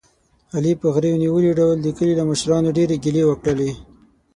علي په غرېو نیولي ډول د کلي له مشرانو ډېرې ګیلې وکړلې.